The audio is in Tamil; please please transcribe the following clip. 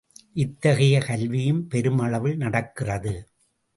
இத்தகைய கல்வியும் பெருமளவில் நடக்கிறது.